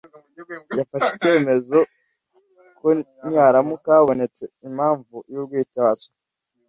yafashe icyemezo ko niharamuka habonetse impamvu y’urwitwazo,